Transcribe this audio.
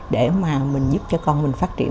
để mà mình giúp cho con mình phát triển